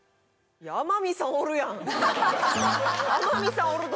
天海さんおるど！